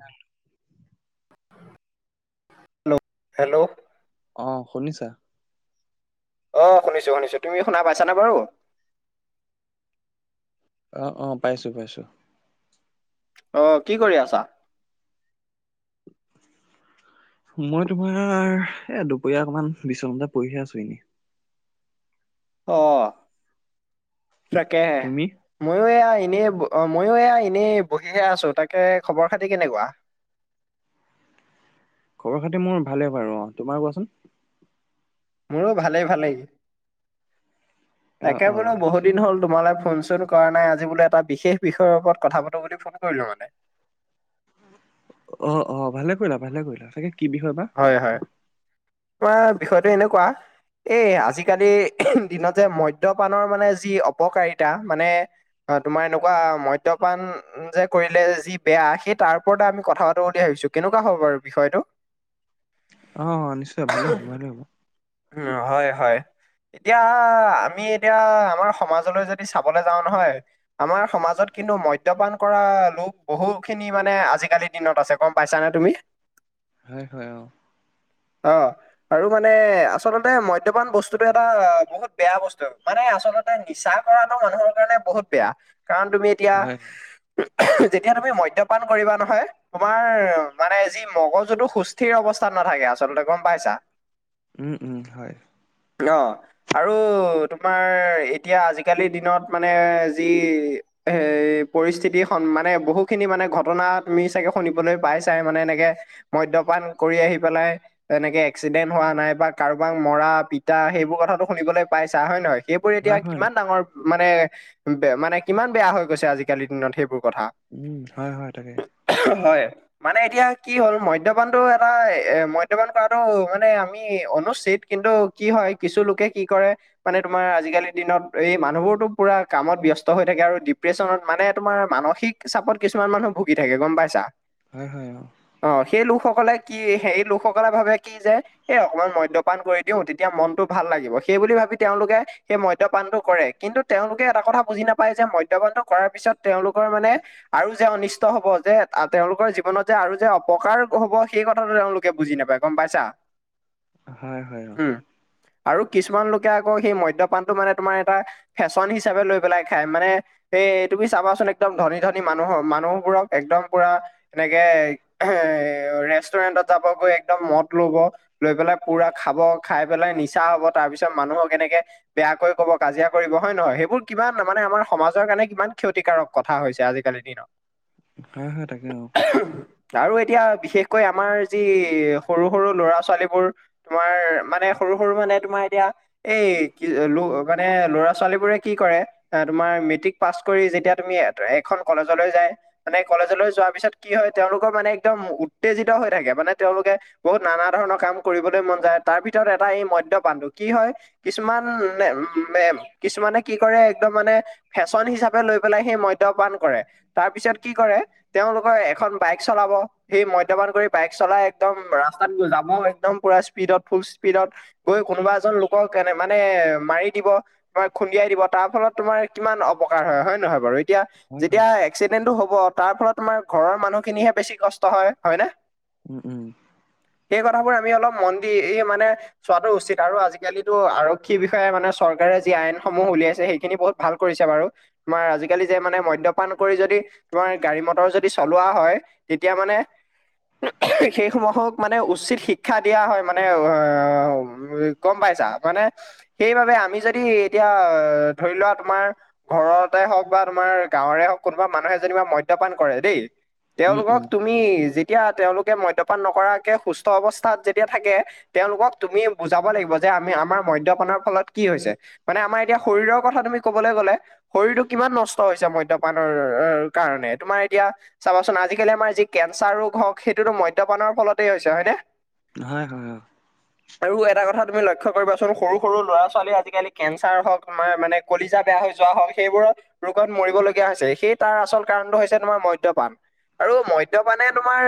হয়। লৌ হেল্ল', অ', শুনিছাঁ? অ', শুনিছোঁ শুনিছোঁ, তুমি শুনা পাইছানে বাৰু? অ', অ', পাইছোঁ পাইছোঁ। অ', কি কৰি আছা? মই তোমাৰ, এ দুপৰীয়া অকমান বিছনাটে পৰিহে আছোঁ এনেই। অ', তাকেহে। তুমি ময়ো এয়া এনেই, ময়ো এয়া এনেই বহিহে আছো। তাকে খবৰ খাতি কেনেকুৱা? খবৰ-খাতি মোৰ ভালে বাৰু, অ', তোমাৰ কোৱাচোন। মোৰো ভালেই ভালেই। অ তাকে অ বোলো বহু আচ্ছা দিন হ'ল। তোমালৈ ফোন চোন কৰা নাই। আজি বোলো এটা বিশেষ বিষয়ৰ ওপৰত কথা পাতোঁ বুলি ফোন কৰিলো মানে। অ', অ', ভালে কৰিলা, ভালে কৰিলা। তাকে কি বিষয় বা? হয় হয়, তোমাৰ বিষয়টো এনেকুৱা এই আজিকালিৰ দিনত যে, মদ্যপানৰ মানে যি অপকাৰিতা মানে অ', তোমাৰ এনেকুৱা মদ্যপান যে কৰিলে যি বেয়া, সেই তাৰ ওপৰতে আমি কথা পাতোঁ বুলি ভাবিছোঁ। কেনেকুৱা হ'ব বাৰু বিষয়টো? অ', অ', নিশ্চয় ভালে হ'ব, ভালে হ'ব। উম্, হয় হয়। এতিয়া, আমি এতিয়া আমাৰ সমাজলৈ যদি চাবলৈ যাওঁ নহয় আমাৰ সমাজত কিন্তু মদ্যপান কৰা লোক বহু খিনি মানে আজিকালি দিনত আছে, গম পাইছানে তুমি? হয় হয়, অ'। অ', আৰু মানে আচলতে মদ্যপান বস্তুতটো এটা বহুত বেয়া বস্তু মানে আচলতে নিচা কৰাটো মানুহৰ কাৰণে বহুত বেয়া কাৰণ তুমি এতিয়া হয় হয়। যেতিয়া তুমি মদ্যপান কৰিবা নহয় তোমাৰ মানে যি মগজুতো সুস্থিৰ অৱস্থাত নাথাকে আচলতে গম পাইছা? উম উম হয়। অ আৰু তোমাৰ এতিয়া আজিকালিৰ দিনত মানে যি এ পৰিস্থিতি মানে বহুখিনি মানে ঘটনা তুমি চাগে শুনিবলৈ পাইছাই মানে এনেকে মদ্যপান কৰি আহি পেলাই তেনেকে এক্সিডেন্ট হোৱা নাই বা কাৰোবাক মৰা পিতা সেইবোৰ কথাাতটো শুনিবলৈ পাইছা হয় নে নহয় সেইবোৰ হয় এতিয়া হয় কিমান ডাঙৰ‌ মানে মানে কিমান বেয়া হৈ গৈছে আজিকালিৰ দিনত সেইবোৰ কথা। উম হয় হয় তাকে। হয় মানে এতিয়া কি হ'ল মদ্যপানটো এটা এ মদ্যপান কৰাতটো মানে আমি চীত কিন্তু কি হয় কিছু লোকে কি কৰে মানে তোমাৰ আজিকালিৰ দিনত এই মানুহবোৰতো পুৰা কামত ব্যস্ত হৈ থাকে আৰু ডিপ্ৰেশচনত মানে তোমাৰ মানসিক চাপত কিছুমান মানুহ ভুগি থাকে গম পাইছা? হয় হয় অ অ সেই লোকসকলে কি সেই লোকসকলে ভাবে কি যে এ অকমান মদ্য ৰপান কৰি দিও তেতিয়া মনতটো ভাল লাগিব সেই বুলি ভাবি তেওঁলোকে সেই মদ্যপানটো কৰে কিন্তু তেওঁলোকে এটা কথা বুজি নাপায় যে মদ্যপান টো কৰাৰ পিছত তেওঁলোকৰ মানে আৰু যে অনিষ্ট হব যে তেওঁলোকৰ জীৱনত যে আৰু যে অপকাৰ হব সেই কথাটো তেওঁলোকে বুজি নাপায় গম পাইছা হয় হয় অ উম আৰু কিছুমান লোকে আকৌ সেই মদ্যপানতটো মানে তোমাৰ এটা ফেশ্বন হিচাপে লৈ পেলাই খাই মানে সেই তুমি চাবাচোন একদম ধনী ধনী মানুহৰ মানুহবোৰক একদম পুৰা এনেকে এ ৰেষ্টুৰেণ্টত যাব গৈ একদম মদ লব লৈ পেলাই পুৰা খাব খাই পেলাই নিচা হ'ব তাৰ পিছত মানুহক কেনেকে বেয়াকৈ কব কাজিয়া কৰিব হয় নে নহয় সেইবোৰ কিমান মানে আমাৰ সমাজৰ কাৰণে কিমান ক্ষতিকাৰক কথা হৈছে আজিকালিৰ দিনত [inaudible] হয় হয় তাকে আৰু আৰু এতিয়া বিশেষকৈ আমাৰ যি সৰু সৰু ল'ৰা ছোৱালীবোৰ তোমাৰ মানে সৰু সৰু মানে তোমাৰ এতিয়া এই কি ল মানে ল'ৰা ছোৱালী বোৰে কি কৰে আহ তুমাৰ মেট্ৰিক পাছ কৰি যেতিয়া তুমি এখন কলেজলৈ যায় মানে কলেজলৈ যোৱাৰ পিছত কি হয় তেওঁলোকৰ মানে একদম উত্তেজিত হৈ থাকে মানে তেওঁলোকে বহুত নানা ধৰণৰ কাম কৰিবলৈ মন যায় তাৰ ভিতৰত এটা এই মধ্যয় পানণধো কি হয় কিছুমান উ কিছুমানে কি কৰে একদম মানে ফেশ্বন হিচাপে লৈ পেলাই সেই মদ্যপান কৰে তাৰ পিছত কি কৰে তেওঁলোকৰ এখন বাইক চলাব সেই মদ্যপান কৰি বাইক চলাই একদম ৰাস্তাত যাব একদম পুৰা স্পীডত ফুল স্পীডত গৈ কোনোবা এজন লোকক এনে মানে মাৰি দিব তোমাৰ খুন্দিয়াই দিব তাৰ ফলত তোমাৰ কিমান অপকাৰ হয় হয়ে নহয় বাৰু এতিয়া হয় হয় যেতিয়া এক্সিডেণ্টো হ'ব তাৰ ফলত তোমাৰ ঘৰৰ মানুহখিনিহে বেছি কষ্ট হয় ন উম উম সেই কথাবোৰ আমি অলপ মন দি এই মানে চোৱাতটো উচিত আৰু আজিকালিতো আৰক্ষী বিষয়ে মানে চৰকাৰে যি আইনসমূহ উলিয়াইছে সেইখিনি বহুত ভাল কৰিছো বাৰু তোমাৰ আজিকালি যে মানে মদ্যপান কৰি যদি তোমাৰ গাড়ী মটৰ যদি চলোৱা হয় তেতিয়া মানে সেইসমূহক মানে উচিত শিক্ষা দিয়া হয় মানে [unintelligible] গম পাইছা মানে সেইবাবে আমি যদি এতিয়া ধৰি লোৱা তোমাৰ ঘৰতে হওক বা তোমাৰ গাঁৱৰে হওক কোনোবা মানুহে যেনিবা মদ্যপান কৰে দেই উম উম তেওঁলোকক তুমি যেতিয়া তেওঁলোকে মদ্যপান নকৰাকে সুস্থ অৱস্থাত যেতিয়া যেতিয়া থাকে তেওঁলোকক তুমি বুজাব লাগিব যে আমি আমাৰ মদ্যপানৰ ফলত কি হৈছে। মানে আমাৰ এতিয়া শৰীৰৰ কথা তুমি কবলৈ গ'লে শৰীৰটো কিমান নষ্ট হৈছে মদ্যপানৰ কাৰণে তোমাৰ এতিয়া চাবাচোন আজিকালি আমাৰ যি কেঞ্চাৰ ৰোগ হওক সেইটোতো মদ্যপানৰ ফলতেই হৈছে হয় নে হয়, হয়, হয়। আৰু এটা কথা তুমি লক্ষ্য কৰিবাচোন সৰু সৰু ল'ৰা ছোৱালী আজিকালি কেঞ্চাৰ হওক তোমাৰ মানে কলিজা বেয়া হৈ যোৱা হওক সেইবোৰত ৰোগত মৰিবলগীয়া হৈছে সেই তাৰ আচল কাৰণটো হৈছে তোমাৰ মদ্যপান আৰু মদ্যপানে তোমাৰ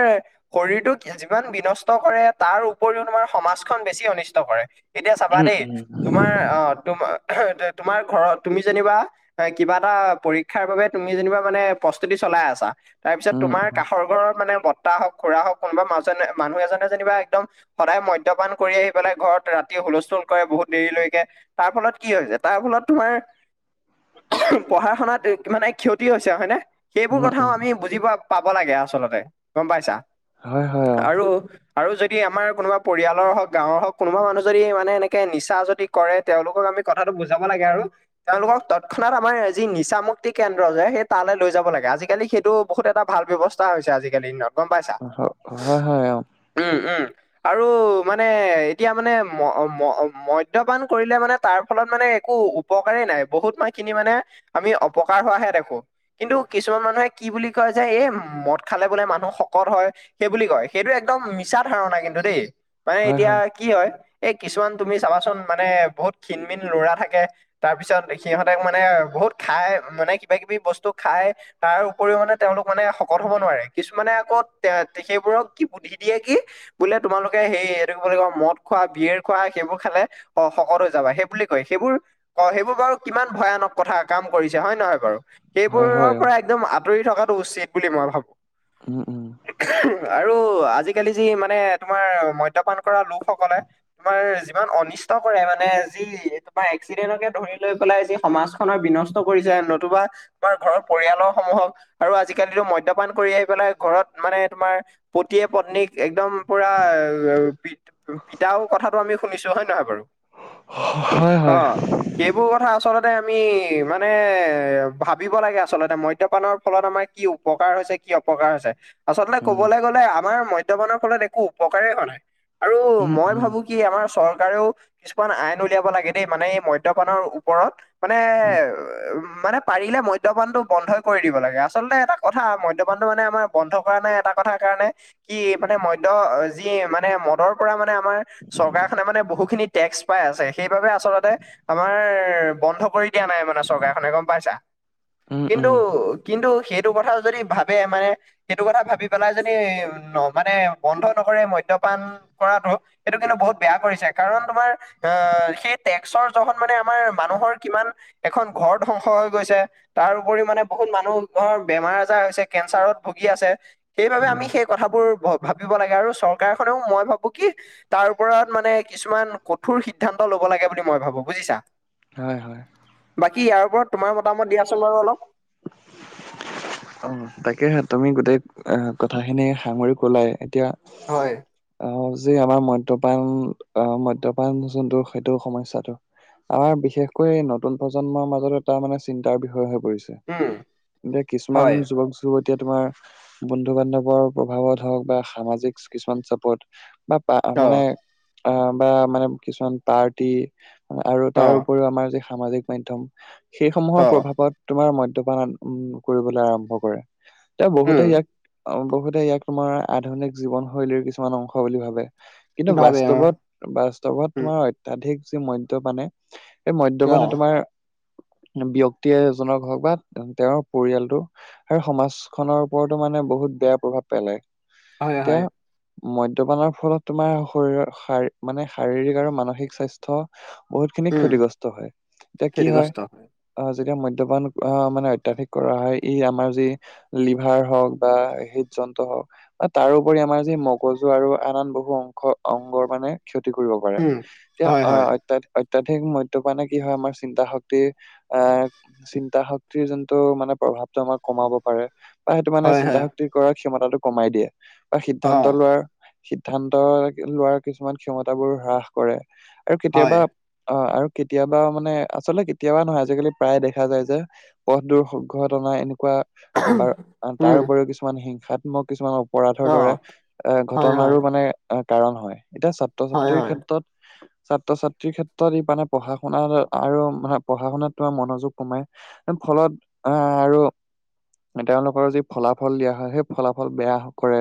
শৰীৰটো যিমান বিনষ্ট কৰে তাৰ উপৰিও তোমাৰ সমাজখন বেছি অনিষ্ট কৰে, এতিয়া চাবা উম দেই উম তোমাৰ আহ তোম তোমাৰ ঘৰত তুমি যেনিবা হয় কিবা এটা পৰীক্ষাৰ বাবে তুমি যেনিবা মানে প্ৰস্তুতি চলাই আছা তাৰ পিছত উম তোমাৰ উম কাষৰ ঘৰৰ মানে বৰ্তা হওক খুৰা হওক কোনোবা মানুহ এজনে যেনিবা একদম সদায় মদ্যপান কৰি আহি পেলাই ঘৰত ৰাতি হুলস্থুল কৰে বহুত দেৰিলৈকে তাৰ ফলত কি হৈছে তাৰ ফলত তোমাৰ পঢ়া শুনাত মানে ক্ষতি হৈছে হয়নে? সেইবোৰ উম কথাও উম আমি বুজিব পাব লাগে আচলতে গম পাইছা। হয়, হয়। অ আৰু, আৰু যদি যদি আমাৰ কোনোবা পৰিয়ালৰ হওক, গাঁৱৰ হওক কোনোবা মানুহ যদি মানে এনেকৈ নিচা যদি কৰে তেওঁলোকক আমি কথাটো বুজাব লাগে আৰু তেওঁলোকক তৎক্ষণাত আমাৰ যি নিচা মুুক্তি কেন্দ্ৰ যে সেই তালৈ লৈ যাব লাগে আজিকালি সেইটো বহুত এটা ভাল ব্যৱস্থা হৈছে আজিকালি দিনত, গম পাইছা হয় হয় অ উম উম। আৰু মানে এতিয়া মানে ম ম দ্যপান কৰিলে মানে তাৰ ফলত মানে একো উপকাৰেই নাই বহুত মাহখিনি মানে আমি অপকাৰ হোৱাহে দেখো। কিন্তু কিছুমান মানুহে কি বুলি কয় যে এই মদ খালে বোলে মানুহ শকত হয় সেই বুলি কয় সেইটো একদম মিছা ধাৰণা কিন্তু দেই মানে এতিয়া কি হয় এই কিছুমান তুমি চাবাচোন মানে বহুত ক্ষীণমিন ল'ৰা থাকে। তাৰ পিছত সিহঁতক মানে বহুত খাই মানে কিবা কিবি বস্তু খাই তাৰ উপৰিও মানে তেওঁলোক মানে শকত হব নোৱাৰে কিছুমানে আকৌ তে সেইবোৰক কি বুদ্ধি দিয়ে কি বোলে তোমালোকে সেই এইটো কি বুলি কয় মদ খোৱা বিয়ৰ খোৱা সেইবোৰ খালে অ' শকত হৈ যাবা সেই বুলি কয় সেইবোৰ অ' সেইবোৰ বাৰু কিমান ভয়ানক কথা কাম কৰিছে হয় নে নহয় বাৰু। হয় হয় সেইবোৰৰ অ পৰা একদম আঁতৰি থকাটো উচিত বুলি মই ভাবো। উম, উম। আৰু আজিকালি যি মানে তোমাৰ মদ্যপান কৰা লোকসকলে তোমাৰ যিমান অনিষ্ট কৰে মানে যি তোমাৰ এক্সিডেণ্টকে ধৰি লৈ পেলাই যি সমাজ বিনষ্ট কৰিছে নতুবা আমাৰ ঘৰৰ পৰিয়ালৰ সমূহক আৰু আজিকালিতো মদ্যপান কৰি আহি পেলাই ঘৰত মানে তোমাৰ পতিয়ে পত্নীক একদম পুৰা প পিতাও কথাটো আমি শুনিছো হয় নে নহয় বাৰু। হয় অ'। হয় সেইবোৰ কথা আচলতে আমি মানে এ ভাবিব লাগে আচলতে মদ্যপানৰ ফলত আমাক কি উপকাৰ হৈছে কি অপকাৰ হৈছে আচলতে উম কবলৈ গ'লে আমাৰ মদ্যপানৰ ফলত একো উপকাৰেই হোৱা নাই আৰু উম মই উম ভাবো কি আমাৰ চৰকাৰেও কিছুমান আইন উলিয়াব লাগে দেই মানে এই মদ্যপানৰ ওপৰত মানে উম উ মানে পাৰিলে মদ্যপানটো বন্ধই কৰি দিব লাগে আচলতে এটা। কথা মদ্যপানটো মানে আমাৰ বন্ধ কৰা নাই এটা কথাৰ কাৰণে। কি মানে মদ্য যি মানে মদৰ পৰা মানে আমাৰ। চৰকাৰখনে মানে বহুখিনি টেক্স পাই আছে সেইবাবে আচলতে। আমাৰ বন্ধ কৰি দিয়া নাই মানে চৰকাৰখনে গম পাইছা। উম কিন্তু উম কিন্তু সেইটো কথা যদি ভাবে মানে সেইটো কথা ভাবি পেলাই যদি। ন মানে বন্ধ নকৰে মদ্যয়পান কৰাতটো সেইটো কিন্তু বহুত বেয়া কৰিছে কাৰণ তোমাৰ। অ' সেই টেক্সৰ য মানে আমাৰ মানুহৰ কিমান এখন ঘৰ ধ্বংস হৈ গৈছে। তাৰ উপৰি মানে বহুত মানুহৰ বেমাৰ আজাৰ হৈছে কেঞ্চাৰত ভুগি আছে সেইবাবে উম আমি সেই। কথাবোৰ ভাবিব লাগে আৰু চৰকাৰ খনেও মই ভাবো কি। তাৰ ওপৰত মানে কিছুমান কঠোৰ সিদ্ধান্ত লব লাগে বুলি মই ভাবো বুজিছা। হয় হয়। বাকী ইয়াৰ ওপৰত তোমাৰ মতামত দিয়াচ বাৰু অলপ। অ' তাকেহে তুমি গোটেই অ' কথাখিনি সাঙৰি কলাই এতিয়া। হয়। অ' যি আমাৰ মদ্যপান অ' মদ্যপান যোনটোৰ সেইটো সমস্যাটো। আমাৰ বিশেষকৈ নতুন প্ৰজন্মৰ মাজত এটা মানে চিন্তাৰ বিষয়। হয় হৈ পৰিছে উম, এতিয়া কিছুমান হয়। যুৱক যুৱতী এতিয়া তোমাৰ। বন্ধু বান্ধৱৰ, প্ৰভাৱত হওক বা সামাজিক কিছুমান চাপত বা বা মানে অ', অ, বা মানে কিছুমান পাৰ্টি আৰু তাৰ অ', উপৰিও আমাৰ যি সামাজিক মাধয়ম সেইসমূহৰ অ', প্ৰভাৱ। তোমাৰ মদ্যপান উম কৰিবলৈ আৰম্ভ কৰে, তে বহুতে উম, ইয়াক বহুতে ইয়াক তোমাৰ আধুনিক জীৱনশৈলীৰ কিছুমান অংশ বুলি ভাবে, কিন্তু ভাবে অ', বাস্তৱত বাস্তৱত উম, তোমাৰ অতিয়াধিক যি মদ্যপানে সেই মদ্যপানে অ', তোমাৰ ব্যয়ক্তিয়ে এজনৰ হক বা তেওঁৰ পৰিয়ালটো আৰু সমাজখনৰ ওপৰতো মানে বহুত বেয়া প্ৰভাৱ পেলায়, হয়, এতিয়া হয়, মদ্যপানেৰ ফলত তোমাৰ শৰিৰ, শ মানে শাৰীৰিক আৰু মানসিক স্বাস্থ্য বহুত খিনি উম, ক্ষতিগ্ৰস্ত হয়, এতিয়া কি হয়। আহ যেতিয়া মদ্যপানে আহ, মানে অত্যাধিক কৰা হয় ই আমাৰ যি লিভাৰ হওক, বা হৃদ যন্ত্ৰ হওক। বা তাৰোপৰি আমাৰ যে মগজু আৰু আন আন বহু অংশ, অংগৰ মানে ক্ষতি কৰিব পাৰে উম, এতিয়া হয়, হয়, অতীয়া অত্যাধিক মদ্যপানে কি হয় আমাৰ চিন্তা শক্তি আ চিন্তা শক্তিৰ যোনটো, মানে প্ৰভাৱতটো আমাৰ কমাব পাৰে বা সেইটো মানে হয়, চিন্তা হয়, শক্তি কৰাৰ ক্ষমতাটো কমাই দিয়ে বা সিদ্ধান্ত অ', লোৱাৰ সিদ্ধান্ত লোৱাৰ, কিছুমান ক্ষমতাবোৰ হ্ৰাস কৰে আৰু হয়। কেতিয়াবা অ, আৰু কেতিয়াবা মানে আচলতে কেতিয়াবা নহয় আজিকালি প্ৰায় দেখা যায়, যে পথ দৰঘটনা এনেকুৱা বাৰ তাৰ উম, উপৰিও কিছুমান হিংসাত্মক কিছুমান অপৰাধৰ দৰে অ', এ, হয়, ঘটনাৰো হয়, মানে কাৰণ হয়, এতিয়া ছাত্ৰ হয়, ছাত্ৰীৰ হয়, ক্ষেত্ৰত ছাত্ৰ ছাত্ৰীৰ ক্ষেত্ৰত ই, মানে পঢ়া শুনা আৰু মানে পঢ়া শুনাত মনোযোগ কমাই ফলত আ, আৰু তেওঁলোকৰ যি ফলাফল দিয়া হয় সেই ফলাফল বেয়া কৰে,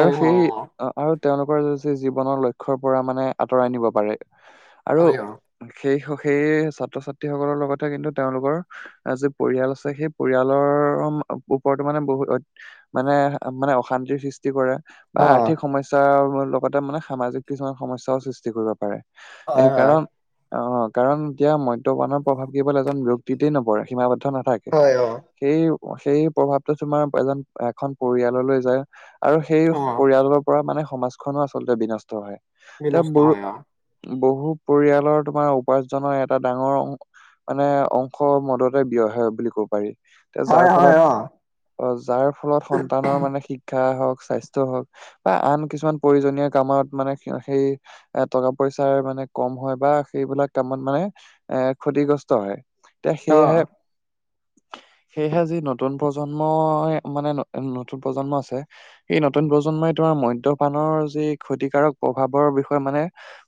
আৰু হয়, সেই অ', আৰু তেওঁলোকৰ যি জীৱনৰ লক্ষ্ৰ পৰা মানে আঁতৰাই নিব পাৰে, আৰু হয়, অ', সেই, সেই ছাত্ৰ ছাত্ৰী সকলৰ লগত কিন্তু তেওঁলোকৰ যি পৰিয়াল আছে সেই পৰিয়ালৰ ওপৰতো মানে বহুত মানে, মানে অশান্তিৰ সৃষ্টি কৰে। বা অ', আৰ্থিক সমস্যাৰ লগতে মানে সামাজিক কিছুমান সমস্যাও সৃষ্টি কৰিব পাৰে। এই হয়, হয়, কাৰণ অ, কাৰণ এতিয়া মদ্যপান প্ৰভাৱ কেৱল এজন ব্যয়ক্তিতে নপৰে সীমাবদ্ধ নাথাকে। হয়, অ', সেই, সেই প্ৰভাৱটো তোমাৰ এজন এখন পৰিয়াললৈ যায়। আৰু সেই অ', পৰিয়ালৰ পৰা মানে সমাজখনো আচলতে বিনষ্ট হয়, তেওঁ বিনষ্ট বৰু হয়, অ', বহু পৰিয়ালৰ তোমাৰ উপাৰ্জনৰ এটা ডাঙৰ অং মানে অংশ মদতে ব্যয় হয় বুলি ক'ব পাৰি, তে যাৰ হয়, হয়, ফলত অ', অ', যাৰ ফলত সন্তানৰ মানে শিক্ষা হওক, স্বাস্থ্য হওক বা আন কিছুমান প্ৰয়োজনীয় কামত মানে সেই এ টকা পইচাৰ মানে কম হয় বা সেইবিলাক কামত মানে এ, ক্ষতিগ্ৰস গ্ৰস্ত হয়, তে সেয়েহে [inaudible] সেয়েহে যি নতুন প্ৰজন্মই মানে, নতুন প্ৰজন্ম আছে এই নতুন প্ৰজন্মই, তোমাৰ মদ্যপানৰ যি ক্ষতিকাৰক প্ৰভাৱৰ বিষয়ে মানে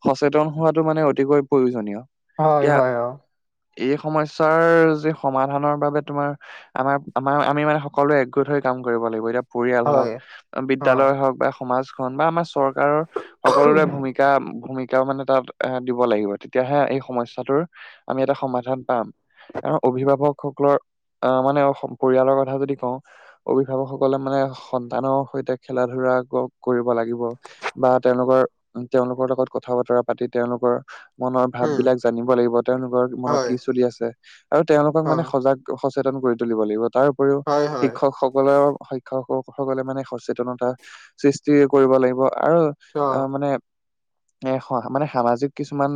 সচেতন হোৱাটো মানে অতিকৈ প্ৰয়োজনীয়। হয়, এতিয়া হয়, অ'। এই সমস্যাৰ যি সমাধানৰ বাবে তোমাৰ আমাৰ, আমাৰ আমি মানে সকলোৱে একগোট হৈ কাম কৰিব লাগিব, এতিয়া পৰিয়াল হওক, হয়, বিদ্যালয় অ', হওক বা সমাজখন বা আমাৰ চৰকাৰৰ সকলোৰে ভূমিকা ভূমিকা-ভূমিকাও মানে তাত এ দিব লাগিব, তেতিয়াহে এই সমস্যা তোৰ আমি এটা সমাধান পাম। [unintelligible] অভিভাৱকসকলৰ আহ মানে পৰিয়ালৰ কথা যদি কওঁ অভিভাৱকসকলে মানে সন্তানৰ সৈতে খেলা ধূলা ক-কৰিব লাগিব। বা তেওঁলোকৰ, তেওঁলোকৰ লগত কথা বতৰা পাতি তেওঁলোকৰ মনৰ ভাব উম, বিলাক জানিব লাগিব, তেওঁলোকৰ মনত হয়, কি চল আছে। আৰু তেওঁলোকক অ', মানে সজাগ সচেতন কৰি তুলিব লাগিব, তাৰ উপৰিও হয়, হয়। শিক্ষকসকলৰ শিক্ষকসকলে মানে সচেতনতা সৃষ্টি কৰিব লাগিব, আৰু অ আহ মানে এ মানে সামাজিক কিছুমান,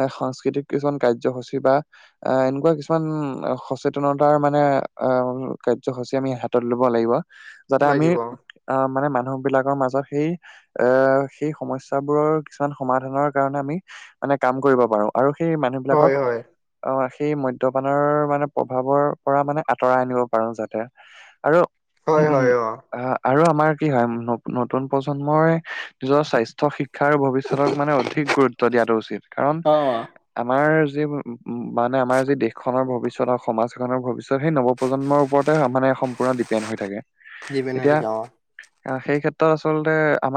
এ সাস্কৃতিক কিছুমান কাৰ্যসূচী বা আহ এনেকুৱা কিছুমান সচেতনতাৰ মানে, আহ কাৰ্যসূচী আমি হ লব লাগিব, যাতে আমি লাগিব আহ মানে মানুহ বিলাকৰ মাজত সেই এ সেই সমস্যাবোৰৰ কিছুমান সমাধানৰ কাৰণে আমি মানে কাম কৰিব পাৰো, আৰু সেই হয় মানুহবিলাকক হয় অ', সেই মদ্যপানৰ মানে প্ৰভাৱৰ পৰা মানে আঁতৰাই আনিব পাৰো যাতে, আৰু হয় হয় [unintelligible] অ আৰু আমাৰ কি হয়, নতুন প্ৰজন্মই নিজৰ স্বাস্থ্য শিক্ষা আৰু ভৱিষ্যতক মানে অধিক গুৰুত্ব দিয়াটো উচিত, কাৰণ অ আমাৰ যি [unintelligible] মানে আমাৰ যি দেশখনৰ ভৱিষ্যত, আৰু সমাজখনৰ ভৱিষ্যত সেই নৱ প্ৰজন্মৰ ওপৰতে মানে, সম্পূৰ্ণ ডিপেণ্ড হৈ থাকে। [unintelligible] অ', সেই ক্ষেত্ৰত আচলতে আমাৰ